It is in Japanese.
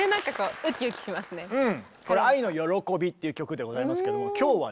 これは「愛のよろこび」っていう曲でございますけども今日はね